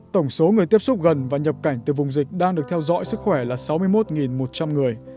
tổng số người tiếp xúc gần và nhập cảnh từ vùng dịch đang được theo dõi sức khỏe là sáu mươi một một trăm linh người